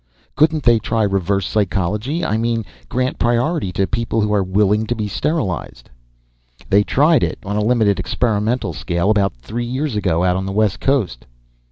"Couldn't they try reverse psychology? I mean, grant priority to people who are willing to be sterilized?" "They tried it, on a limited experimental scale, about three years ago out on the West Coast."